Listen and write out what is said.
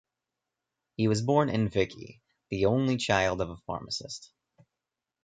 He was born in Vichy, the only child of a pharmacist.